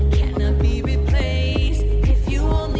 สุดอย่างนั้น